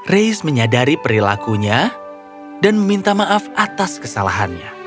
reis menyadari perilakunya dan meminta maaf atas kesalahannya